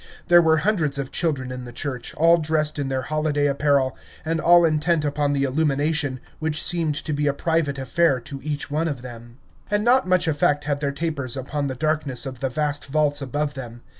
There were hundreds of children in the church, all dressed in their holiday apparel, and all intent upon the illumination, which seemed to be a private affair to each one of them. And not much effect had their tapers upon the darkness of the vast vaults above them.